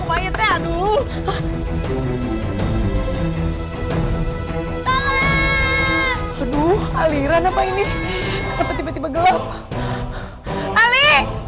pokoknya aduh aliran apa ini tiba tiba gelap ali